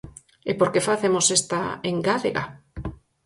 ¿E por que facemos esta engádega?